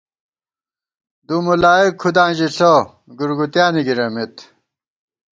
دُوملائک کھُداں ژِݪہ ، گُورگُوتیانے گِرَمېت